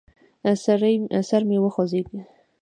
سر مې خوږېږي.